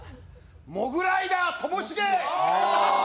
モグライダーともしげ・